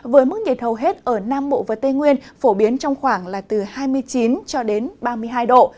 với mức nhiệt hầu hết ở nam bộ và tây nguyên phổ biến trong khoảng là từ hai mươi chín cho đến ba mươi hai độ